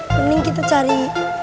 mending kita cari